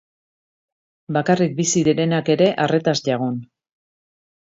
Bakarrik bizi direnak ere arretaz jagon.